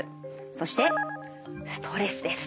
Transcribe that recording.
そしてストレスです。